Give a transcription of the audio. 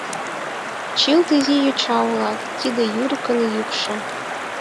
Чылт изи йоча улат, — тиде Юрикын йӱкшӧ.